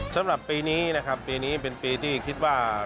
สำหรับปีนี้นะครับปีนี้เป็นปีที่คิดว่า